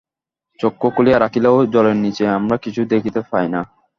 চক্ষু খুলিয়া রাখিলেও জলের নীচে আমরা কিছুই দেখিতে পাই না।